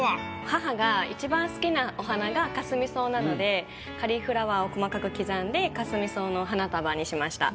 母がいちばん好きなお花がかすみ草なのでカリフラワーを細かく刻んでかすみ草の花束にしました。